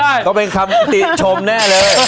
ต้องเป็นคำติชมแน่เลย